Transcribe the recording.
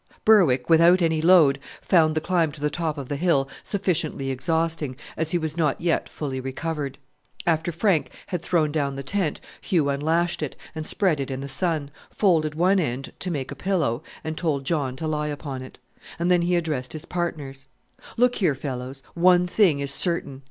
Berwick, without any load, found the climb to the top of the hill sufficiently exhausting, as he was not yet fully recovered. After Frank had thrown down the tent Hugh unlashed it, and spread it in the sun, folded one end to make a pillow, and told John to lie upon it. And then he addressed his partners, "Look here, fellows one thing is certain.